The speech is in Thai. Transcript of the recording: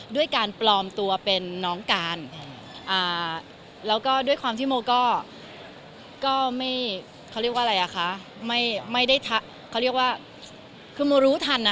ด้วยการปลอมตัวเป็นน้องการ